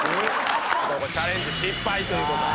これチャレンジ失敗という事で。